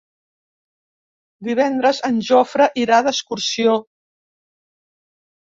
Divendres en Jofre irà d'excursió.